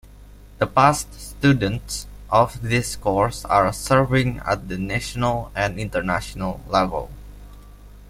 The past students of this course are serving at the national and International level.